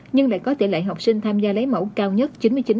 nhưng lại có tỷ lệ học sinh tham gia lấy mẫu cao nhất chín mươi chín ba mươi chín